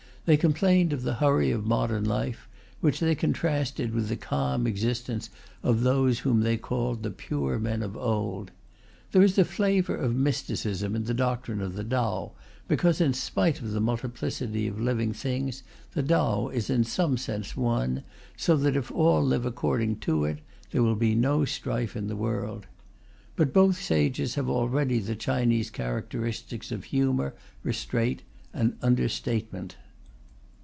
They complained of the hurry of modern life, which they contrasted with the calm existence of those whom they called "the pure men of old." There is a flavour of mysticism in the doctrine of the Tao, because in spite of the multiplicity of living things the Tao is in some sense one, so that if all live according to it there will be no strife in the world. But both sages have already the Chinese characteristics of humour, restraint, and under statement.